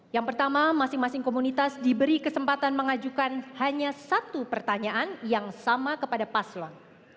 yang pertama masing masing komunitas diberi kesempatan mengajukan hanya satu pertanyaan yang sama kepada paslon